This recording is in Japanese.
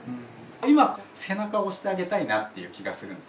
今背中を押してあげたいなっていう気がするんですよ。